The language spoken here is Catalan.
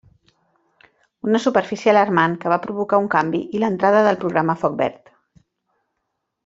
Una superfície alarmant que va provocar un canvi i l’entrada del Programa Foc Verd.